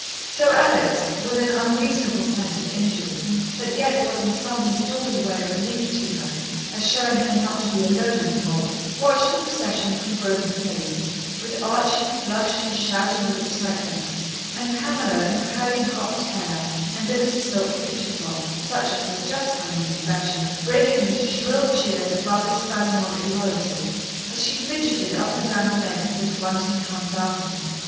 So Alex, with an unreasonable sense of injury, that yet was in some distorted way a relief to her, as showing her not to be alone in fault, watched the procession from Grosvenor Place, with Archie flushed and shouting with excitement, and Pamela, in curly, cropped hair and Liberty silk picture frock, such as was just coming into fashion, breaking into shrill cheers of rather spasmodic loyalty, as she fidgeted up and down the length of the bunting hung balcony.